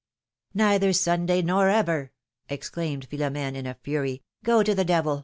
'^Neither Sunday nor ever!" exclaimed Philomene, in a fury. Go to the devil